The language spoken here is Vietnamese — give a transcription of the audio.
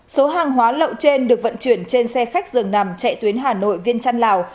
số hàng hóa lậu trên được vận chuyển trên xe khách dường nằm chạy tuyến hà nội viên trăn lào